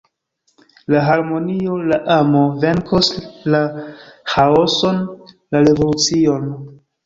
La harmonio, la amo venkos la ĥaoson, la revolucion.